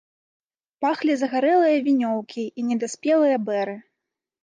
Пахлі загарэлыя вінёўкі і недаспелыя бэры.